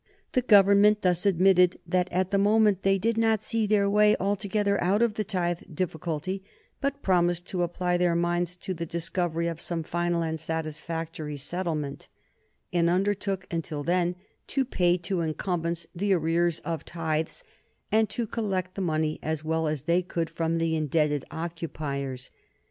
The Government thus admitted that at the moment they did not see their way altogether out of the tithe difficulty, but promised to apply their minds to the discovery of some final and satisfactory settlement, and undertook until then to pay to incumbents the arrears of tithes, and to collect the money as well as they could from the indebted occupiers.